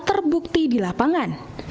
terbukti di lapangan